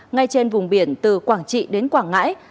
ngay trên vùng biển từ quảng trị đến quảng ngãi